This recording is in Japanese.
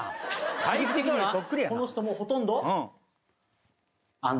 響き的にはこの人もほとんど「＆」。